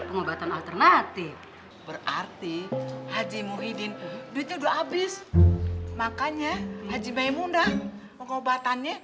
pengobatan alternatif berarti haji muhyiddin duitnya udah abis makanya haji maymunah pengobatannya